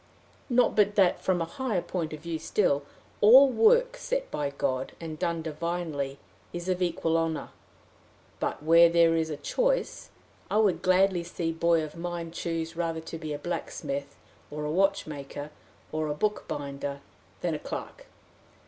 Not but that, from a higher point of view still, all work, set by God, and done divinely, is of equal honor; but, where there is a choice, I would gladly see boy of mine choose rather to be a blacksmith, or a watchmaker, or a bookbinder, than a clerk.